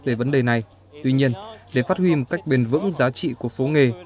về vấn đề này tuy nhiên để phát huy một cách bền vững giá trị của phố nghề